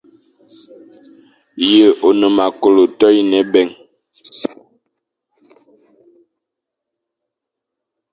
Ye one me kôlo toyine ébèign.